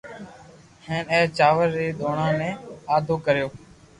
ھين اي چاور ري دوڻا ني آدو ڪريو